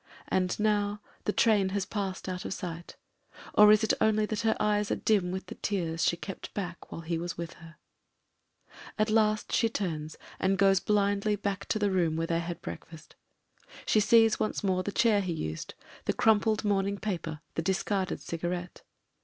And now the train has passed out of sight — or is it only that her eyes are dim with the tears she kept back while he was with her? THE WOMEN AND— THE MEN 245 At last she turns and goes blindly back to the room where they had breakfast; she sees once more the chair he used, the crumpled morning paper, the dis carded cigarette.